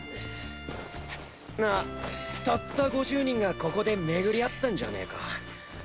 なあたった５０人がここで巡り合ったんじゃねえか。